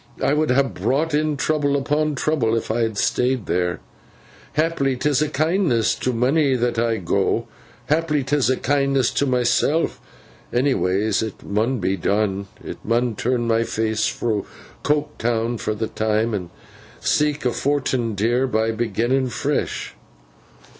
It would ha brought'n trouble upon trouble if I had stayed theer. Haply 'tis a kindness to monny that I go; haply 'tis a kindness to myseln; anyways it mun be done. I mun turn my face fro Coketown fur th' time, and seek a fort'n, dear, by beginnin fresh.